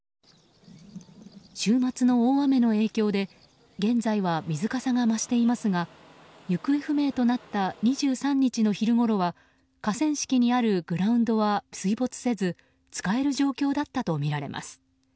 週末の大雨の影響で現在は、水かさが増していますが行方不明となった２３日の昼ごろは河川敷にあるグラウンドは水没せず使える状況だったとみられます。